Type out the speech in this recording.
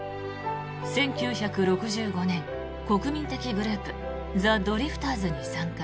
１９６５年、国民的グループザ・ドリフターズに参加。